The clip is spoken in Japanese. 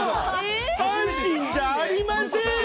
阪神じゃありません。